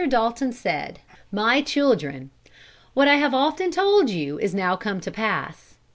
Dalton said: "MY CHILDREN, What I have often told you is now come to pass.